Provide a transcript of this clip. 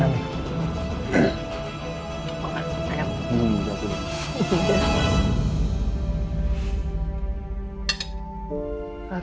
ya aku mau